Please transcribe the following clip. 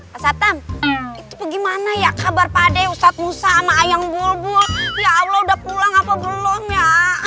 ke tiga gimana ya kabar pada ustadz musa mayang bulbul ya allah udah pulang apa belum ya